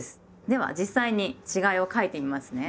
では実際に違いを書いてみますね。